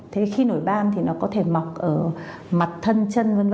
thế khi nổi ban thì nó có thể mọc ở mặt thân chân v v